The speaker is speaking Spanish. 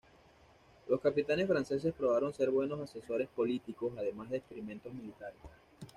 Los capitanes franceses probaron ser buenos asesores políticos, además de experimentados militares.